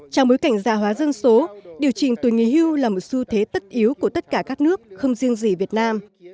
trong bối cảnh gia hóa dân số điều chỉnh tuổi nghỉ hưu là một xu thế tất yếu của tất cả các nước không riêng gì việt nam